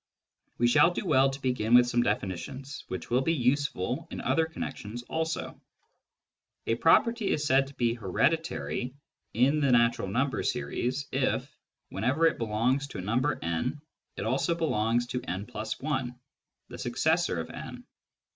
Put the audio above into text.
We shall do well to begin with some definitions, which will be useful in other connections also. A property is said to be " hereditary " in the natural number series if, whenever it belongs to a number n, it also belongs to n+i, the successor of n.